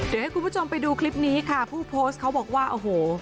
เดี๋ยวให้คุณผู้ชมไปดูคลิปนี้ค่ะผู้โพสต์เขาบอกว่าโอ้โห